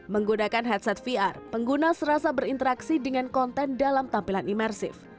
menggunakan headset vr pengguna serasa berinteraksi dengan konten dalam tampilan imersif